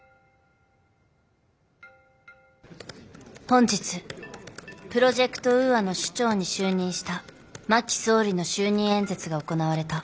本日プロジェクト・ウーアの首長に就任した真木総理の就任演説が行われた。